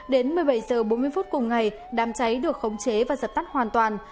đến một mươi bảy h bốn mươi phút cùng ngày đám cháy được khống chế và dập tắt hoàn toàn